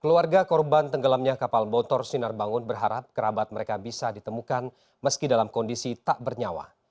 keluarga korban tenggelamnya kapal bontor sinar bangun berharap kerabat mereka bisa ditemukan meski dalam kondisi tak bernyawa